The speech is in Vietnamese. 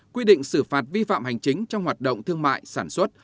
quy định xử phạt vi phạm hành chính trong hoạt động thương mại sản xuất